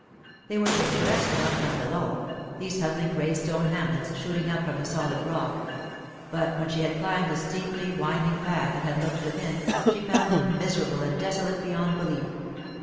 They were picturesque enough from below, these huddling grey stone hamlets shooting up from the solid rock; but when she had climbed the steeply winding path and had looked within, she found them miserable and desolate beyond belief.